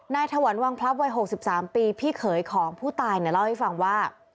ถวันวังพลับวัย๖๓ปีพี่เขยของผู้ตายเนี่ยเล่าให้ฟังว่า